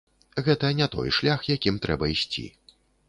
Гэта не той шлях, якім трэба ісці.